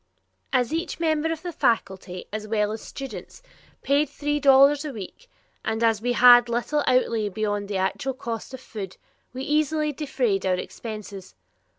As each member of the faculty, as well as the students, paid three dollars a week, and as we had little outlay beyond the actual cost of food, we easily defrayed our expenses.